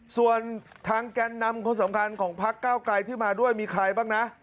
ส่วนทางแกนนำคนสำคัญของพักเก้าไกลที่มาด้วยมีใครบ้างนะ